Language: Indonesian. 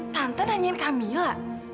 tante nanyain kamila